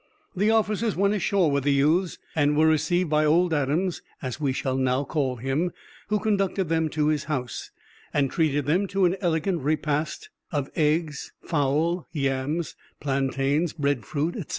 The officers went ashore with the youths, and were received by old Adams (as we shall now call him), who conducted them to his house, and treated them to an elegant repast of eggs, fowl, yams, plantains, breadfruit, etc.